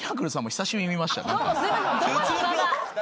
久しぶりに見た。